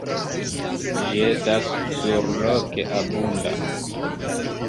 Ĝi estas surloke abunda.